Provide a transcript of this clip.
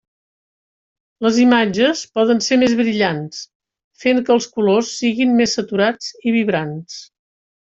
Les imatges poden ser més brillants, fent que els colors siguin més saturats i vibrants.